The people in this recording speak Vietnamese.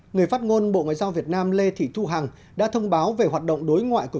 người phát ngôn bộ ngoại giao việt nam lê thị thu hằng đã thông báo về hoạt động đối ngoại của